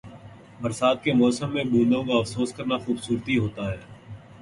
برسات کے موسم میں بوندوں کا افسوس کرنا خوبصورتی ہوتا ہے۔